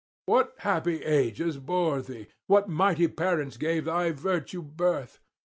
What happy ages bore thee? what mighty parents gave thy virtue birth?